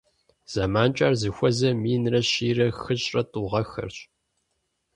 ЗэманкӀэ ар зыхуэзэр минрэ щийрэ хыщӀрэ тӀу гъэхэрщ.